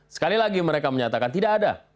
sekali lagi mereka menyatakan tidak ada